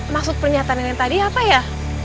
maksud pernyataan yang tadi apa ya